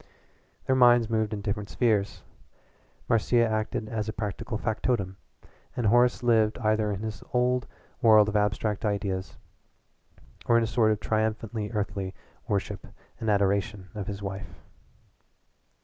Their minds moved in different spheres. Marcia acted as practical factotum, and Horace lived either in his old world of abstract ideas or in a sort of triumphantly earthy worship and adoration of his wife.